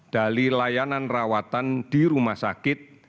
dari layanan rawatan di rumah sakit